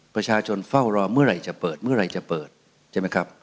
ประชาชนเฝ้ารอเมื่อไหร่จะเปิดเมื่อไหร่จะเปิดใช่ไหมครับ